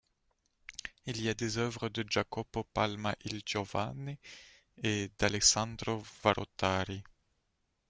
Il y a des œuvres de Jacopo Palma il Giovane et d’Alessandro Varotari.